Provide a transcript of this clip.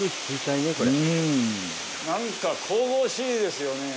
なんか神々しいですよね。